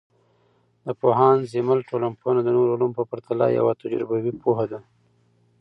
د پوهاند زیمل ټولنپوهنه د نورو علومو په پرتله یوه تجربوي پوهه ده.